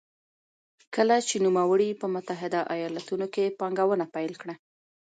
کله چې نوموړي په متحده ایالتونو کې پانګونه پیل کړه.